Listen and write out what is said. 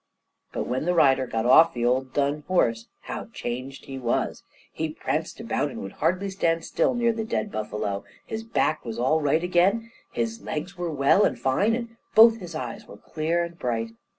But when the rider got off the old dun horse, how changed he was! He pranced about and would hardly stand still near the dead buffalo. His back was all right again; his legs were well and fine; and both his eyes were clear and bright.